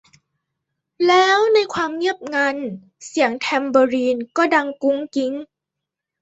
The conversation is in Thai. แล้ว ในความเงียบงัน เสียงแทมเบอรีนก็ดังกุ๊งกิ๊ง